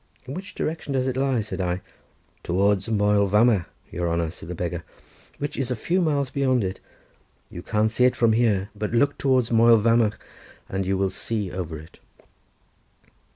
"In which direction does it lie?" said I. "Towards Moel Vamagh, your honour," said the beggar, "which is a few miles beyond it; you can't see it from here, but look towards Moel Vamagh and you will see over it."